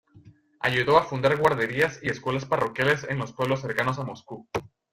Ayudó a fundar guarderías y escuelas parroquiales en los pueblos cercanos a Moscú.